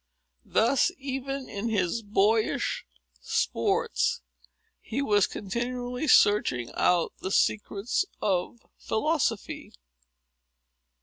Thus, even in his boyish sports, he was continually searching out the secrets of philosophy.